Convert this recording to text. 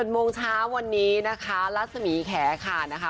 ๑๑โมงเช้าวันนี้นะคะรัศมีร์แขนค่ะ